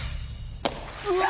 うわ！